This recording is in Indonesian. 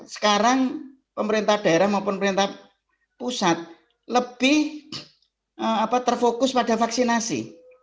sekarang pemerintah daerah maupun pemerintah pusat lebih terfokus pada vaksinasi